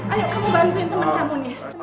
ayo kamu bantuin temen kamu nih